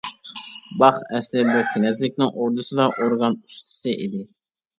باخ ئەسلى بىر كىنەزلىكنىڭ ئوردىسىدا ئورگان ئۇستىسى ئىدى.